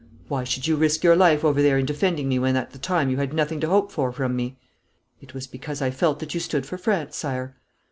Why should you risk your life over there in defending me when at the time you had nothing to hope for from me?' 'It was because I felt that you stood for France, Sire.'